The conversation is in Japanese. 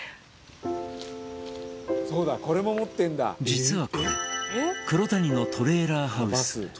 実はこれ黒谷のトレーラーハウス。